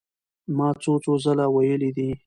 ما څو څو ځله وئيلي دي